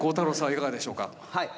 いかがでしょうか？